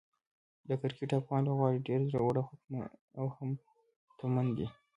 د کرکټ افغان لوبغاړي ډېر زړور او همتمن دي.